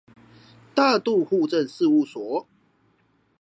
大肚戶政事務所